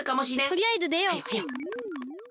とりあえずでよう！